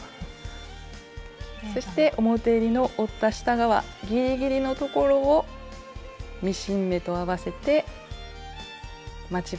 そして表えりの折った下側ギリギリのところをミシン目と合わせて待ち針で留めます。